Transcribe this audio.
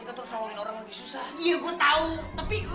eh siapa di situ bek